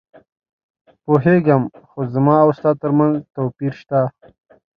پوهېږم، خو زما او ستا ترمنځ توپیر شته.